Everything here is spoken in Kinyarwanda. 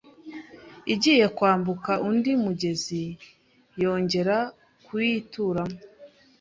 Igiye kwambuka undi mugezi yongera kwituramo